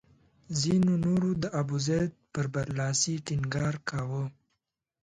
ځینو نورو د ابوزید پر برلاسي ټینګار کاوه.